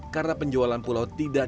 karena penjualan pulau tidak dipengaruhi